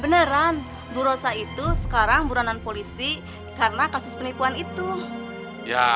beneran burosa itu sekarang buranan polisi karena kasus penipuan itu ya